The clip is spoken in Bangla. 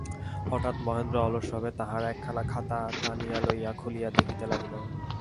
হঠাৎ মহেন্দ্র অলসভাবে তাহার একখানা খাতা টানিয়া লইয়া খুলিয়া দেখিতে লাগিল।